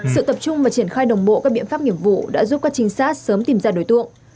sự tập trung và triển khai đồng bộ các biện pháp nghiệp vụ đã giúp các trinh sát sớm tìm ra đối tượng